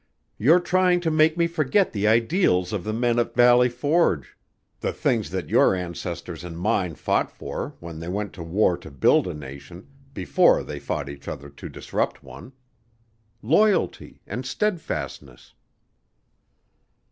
You're trying to make me forget the ideals of the men at Valley Forge the things that your ancestors and mine fought for when they went to war to build a nation: before they fought each other to disrupt one loyalty and steadfastness!"